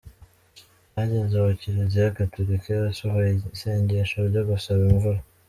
Byageze aho Kiliziya Gatulika yasohoye isengesho ryo gusaba imvura.